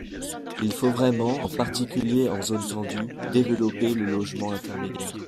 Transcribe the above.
Il faut vraiment, en particulier en zone tendue, développer le logement intermédiaire.